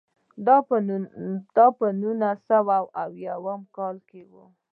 دا په نولس سوه اویاووه کال کې و.